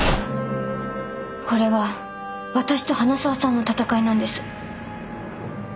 これは私と花澤さんの戦いなんです。